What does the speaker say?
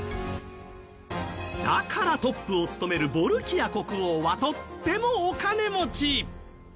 だからトップを務めるボルキア国王はとてもお金持ち。